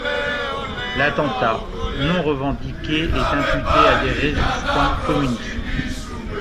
L'attentat, non revendiqué, est imputé à des résistants communistes.